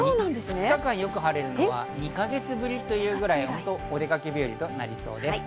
２日間よく晴れるのは２か月ぶりというぐらいのお出かけ日和となりそうです。